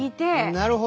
なるほど。